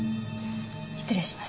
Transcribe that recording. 失礼します。